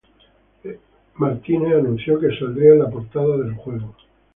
Styles anunció que saldría en la portada del juego.